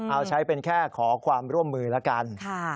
เอาใช้เป็นแค่ขอความร่วมมือแล้วกัน